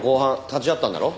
立ち会ったんだろ？